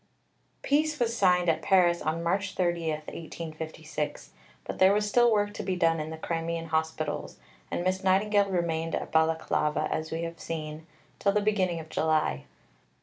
Peace was signed at Paris on March 30, 1856; but there was still work to be done in the Crimean hospitals, and Miss Nightingale remained at Balaclava, as we have seen, till the beginning of July.